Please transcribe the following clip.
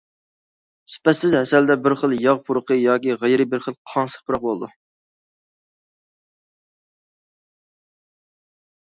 سۈپەتسىز ھەسەلدە بىر خىل ياغ پۇرىقى ياكى غەيرىي بىر خىل قاڭسىق پۇراق بولىدۇ.